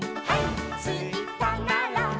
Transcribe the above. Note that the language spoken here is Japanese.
「ついたなら」